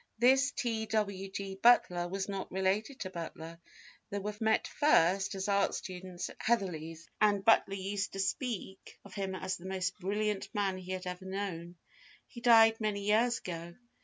This T. W. G. Butler was not related to Butler, they met first as art students at Heatherley's, and Butler used to speak of him as the most brilliant man he had ever known. He died many years ago.